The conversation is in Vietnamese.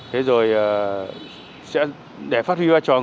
thế rồi sẽ để phát huy vai trò người y tín